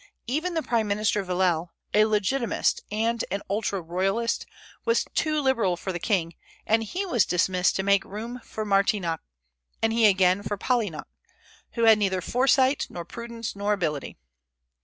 Even the prime minister Villèle, a legitimatist and an ultra royalist, was too liberal for the king; and he was dismissed to make room for Martignac, and he again for Polignac, who had neither foresight nor prudence nor ability.